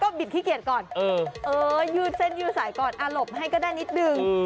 บิดขี้เกียจก่อนยืดเส้นยืดสายก่อนหลบให้ก็ได้นิดนึง